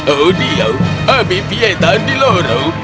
oh tuhan amin